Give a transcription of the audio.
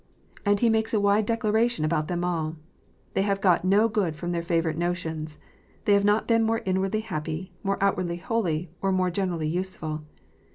And he makes a wide declaration about them all. They have got no good from their favourite notions. They have not been more inwardly happy, more outwardly holy, or more generally useful.